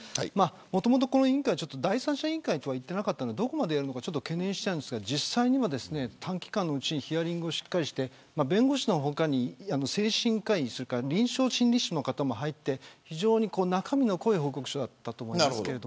もともと第三者委員会とは言っていなかったのでどこまでやるのか懸念してましたが、実際には短期間にヒアリングをしっかりして弁護士の他に精神科医や臨床心理士の方も入って非常に中身の濃い報告書だったと思います。